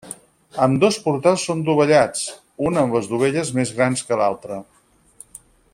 Ambdós portals són dovellats, un amb les dovelles més grans que l'altre.